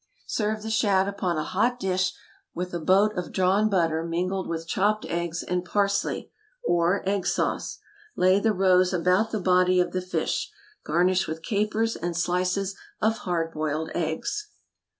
Serve the shad upon a hot dish, with a boat of drawn butter mingled with chopped eggs and parsley, or egg sauce. Lay the roes about the body of the fish. Garnish with capers and slices of hard boiled eggs.